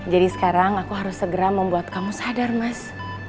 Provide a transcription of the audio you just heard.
jadi sekarang aku harus segera membuat kamu sadar mas